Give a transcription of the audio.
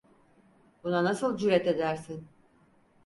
Buna nasıl cüret edersin?